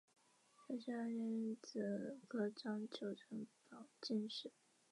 圆叶平灰藓为柳叶藓科平灰藓属下的一个种。